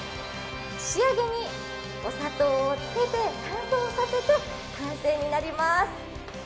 仕上げにお砂糖をつけて乾燥させて完成になります。